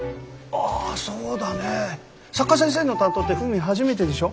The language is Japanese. あそうだね。作家先生の担当ってフーミン初めてでしょ。